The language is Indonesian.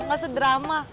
gak usah drama